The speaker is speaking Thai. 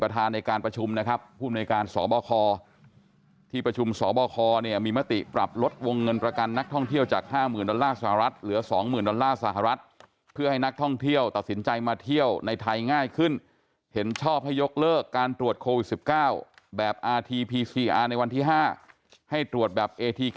ท่านผู้ชมวันนี้มีการประชุมสอบ